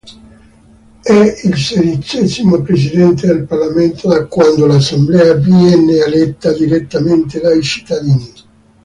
È il sedicesimo presidente del Parlamento da quando l'assemblea viene eletta direttamente dai cittadini.